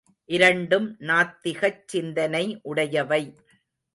இரண்டும் நாத்திகச் சிந்தனை உடையவை.